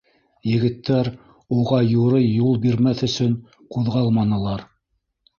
Егеттәр, уға юрый юл бирмәҫ өсөн, ҡуҙғалманылар.